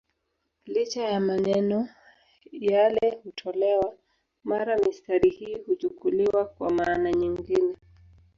Licha ya maneno yale kutolewa, mara mistari hii huchukuliwa kwa maana nyingine.